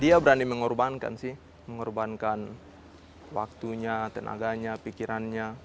dia berani mengorbankan sih mengorbankan waktunya tenaganya pikirannya